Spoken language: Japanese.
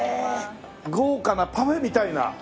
豪華なパフェみたいな。